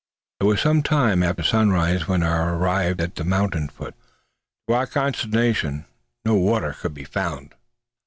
It was some time after sunrise when we arrived at the mountain foot. To our consternation no water could be found!